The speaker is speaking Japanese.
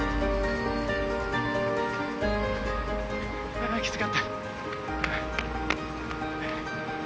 ああ、きつかった。